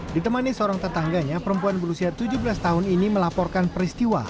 ditemani seorang tetangganya perempuan berusia tujuh belas tahun ini melaporkan peristiwa